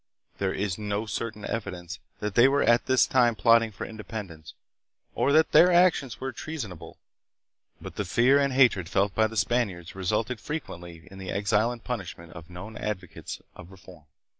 There is no certain evidence that they were at this tune plotting for independence, or that their actions were trea sonable; but the fear and hatred felt by the Spaniards resulted frequently in the exile and punishment of known advocates of reform.